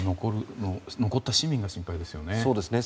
残った市民が心配ですよね。